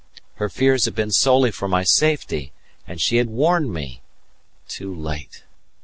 Her fears had been solely for my safety, and she had warned me! Too late!